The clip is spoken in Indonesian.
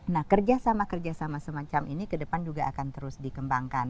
nah kerjasama kerjasama semacam ini ke depan juga akan terus dikembangkan